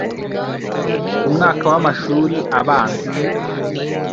umwaka w’amashuri abanza